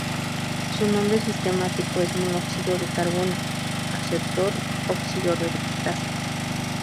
Su nombre sistemático es monóxido de carbono:aceptor oxidorreductasa.